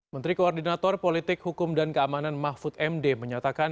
menteri koordinator politik hukum dan keamanan mahfud md menyatakan